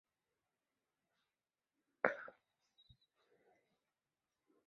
隋唐初武将。